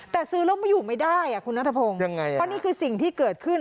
แต่ซื้อแล้วไม่อยู่ไม่ได้อ่ะคุณนัทพงศ์ยังไงเพราะนี่คือสิ่งที่เกิดขึ้น